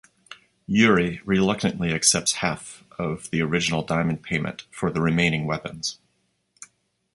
Yuri reluctantly accepts half of the original diamond payment for the remaining weapons.